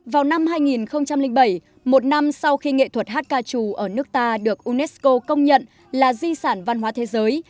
vào năm hai nghìn bảy một năm sau khi nghệ thuật hát ca trù ở nước ta được unesco công nhận là di sản văn hóa thành phố hà nội